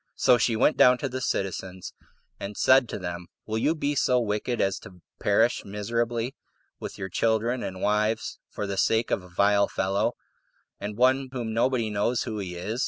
So she went down to the citizens, and said to them, "Will you be so wicked as to perish miserably, with your children and wives, for the sake of a vile fellow, and one whom nobody knows who he is?